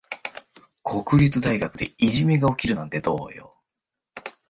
国立大学でいじめが起きるなんてどうよ。